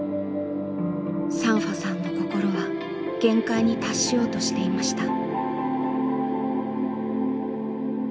サンファさんの心は限界に達しようとしていました。